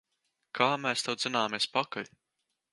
Kā mēs tev dzināmies pakaļ!